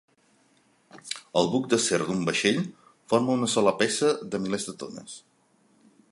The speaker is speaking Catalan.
El buc d'acer d'un vaixell forma una sola peça de milers de tones.